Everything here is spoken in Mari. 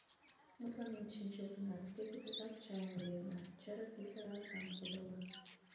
Мутланен шинчылтына, теве тыгак чайым йӱына, чырык литр аракам подылна.